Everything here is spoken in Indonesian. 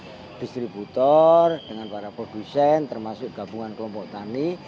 dengan distributor dengan para produsen termasuk gabungan kelompok tani